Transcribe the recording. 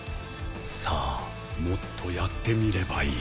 さあもっとやってみればいい。